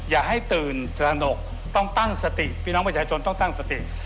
อย่าให้ตื่นตระหนกต้องตั้งสติพี่น้องประชาชนต้องตั้งสติ